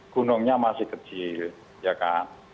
gunungnya masih kecil ya kan